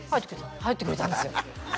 入ってくれたんですよ